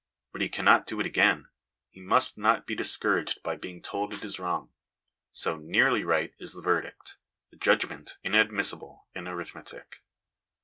But he cannot do it again he must not be discouraged by being told it is wrong ; so, ' nearly right' is the verdict, a judgment inadmissible in arithmetic.